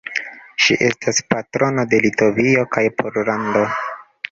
Ŝi estas patrono de Litovio kaj Pollando.